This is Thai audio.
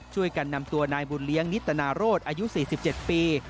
ช่วยกันนำตัวนายบุญเลี้ยงนิตนาโรศอายุ๔๗ปี